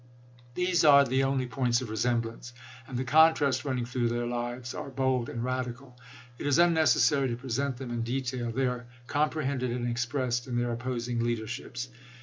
These are the only points of resemblance, and the contrasts running through their lives are bold and radical. It is unnecessary to present them in detail; they are comprehended and expressed in their opposing leaderships.